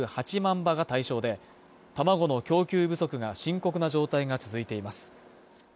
羽が対象でたまごの供給不足が深刻な状態が続いています